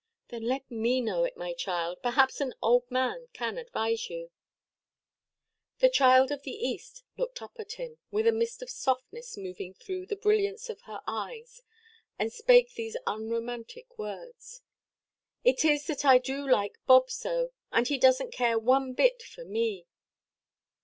"Then let me know it, my child. Perhaps an old man can advise you." The child of the East looked up at him, with a mist of softness moving through the brilliance of her eyes, and spake these unromantic words:— "It is that I do like Bob so; and he doesnʼt care one bit for me."